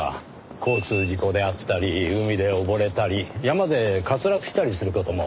交通事故であったり海で溺れたり山で滑落したりする事も。